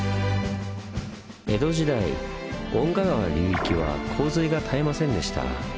江戸時代遠賀川流域は洪水が絶えませんでした。